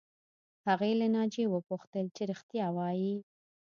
هغې له ناجیې وپوښتل چې رښتیا وایې